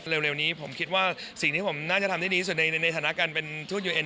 เร็วนี้ผมคิดว่าสิ่งที่ผมน่าจะทำได้ดีที่สุดในฐานะการเป็นทูตยูเอ็น